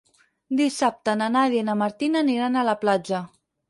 Dissabte na Nàdia i na Martina aniran a la platja.